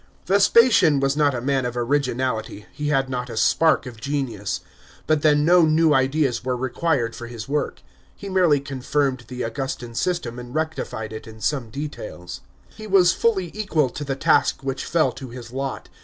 Vespasian was not a man of originality, he had not a spark of genius. But then no new ideas were required for his work. He merely confirmed the Augustan system and rectified it in some details. He was fully equal to the task which fell to his lot.